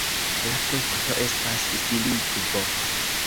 La frukto estas silikvo.